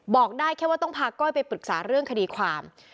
บอกได้แค่ว่าต้องพาก้อยไปปรึกษาเรื่องคดีความ